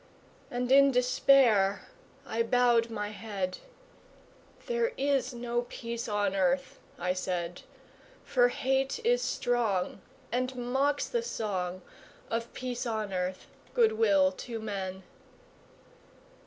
And in despair I bowed my head; "There is no peace on earth," I said: "For hate is strong, And mocks the song Of peace on earth, good will to men!"